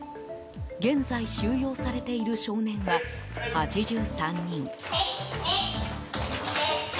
現在、収容されている少年は８３人。